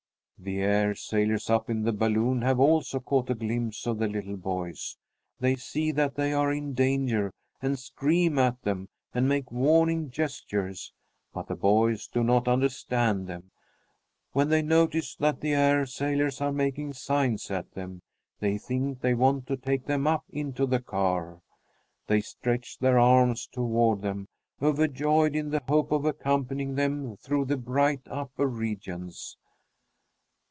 The air sailors up in the balloon have also caught a glimpse of the little boys. They see that they are in danger and scream at them and make warning gestures; but the boys do not understand them. When they notice that the air sailors are making signs at them, they think they want to take them up into the car. They stretch their arms toward them, overjoyed in the hope of accompanying them through the bright upper regions.